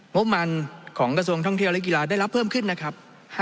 บมันของกระทรวงท่องเที่ยวและกีฬาได้รับเพิ่มขึ้นนะครับ